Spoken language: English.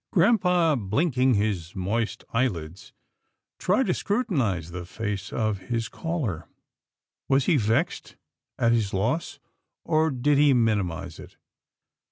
Grampa, blinking his moist eyelids, tried to scru tinize the face of his caller. Was he vexed at his loss, or did he minimize it?